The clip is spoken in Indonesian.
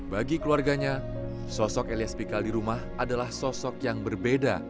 bagi keluarganya sosok elias pikal di rumah adalah sosok yang berbeda